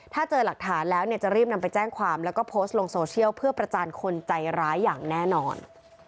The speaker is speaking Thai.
ถ้าเจอหลักฐานแล้วเนี่ยจะรีบนำไปแจ้งความแล้วก็โพสต์ลงโซเชียลเพื่อประจานคนใจร้ายอย่างแน่นอน